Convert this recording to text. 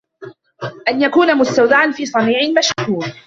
أَنْ يَكُونَ مُسْتَوْدَعًا فِي صَنِيعٍ مَشْكُورٍ